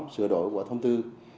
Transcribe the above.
sửa đổi của thông tư một mươi năm